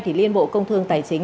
thì liên bộ công thương tài chính